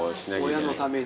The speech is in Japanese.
親のために。